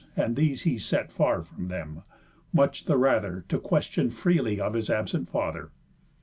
And these he set far from them, much the rather To question freely of his absent father.